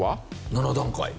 ７段階。